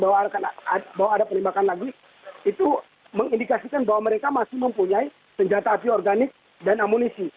bahwa ada penembakan lagi itu mengindikasikan bahwa mereka masih mempunyai senjata api organik dan amunisi